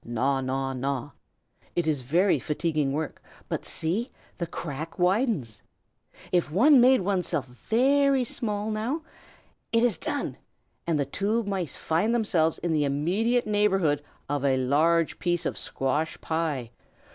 Gnaw! gnaw! gnaw!" It is very fatiguing work; but, see! the crack widens. If one made oneself very small, now? It is done, and the two mice find themselves in the immediate neighborhood of a large piece of squash pie.